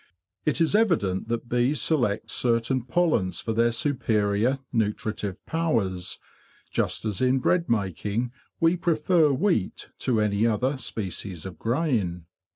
It is evident that bees select certain pollens for their superior nutritive powers, just as in bread making we prefer wheat to any other species of grain.